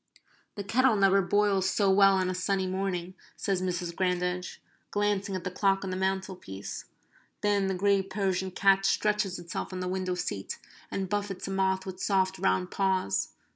"The kettle never boils so well on a sunny morning," says Mrs. Grandage, glancing at the clock on the mantelpiece. Then the grey Persian cat stretches itself on the window seat, and buffets a moth with soft round paws.